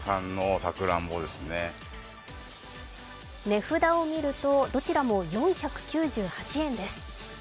値札を見ると、どちらも４９８円です。